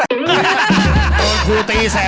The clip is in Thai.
โดดครูตีแสบ